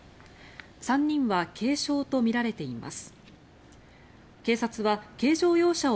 ３人は軽傷とみられています。